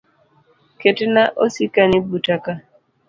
Ketna osikani buta ka.